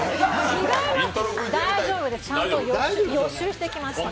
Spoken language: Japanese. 大丈夫です、ちゃんと予習してきました。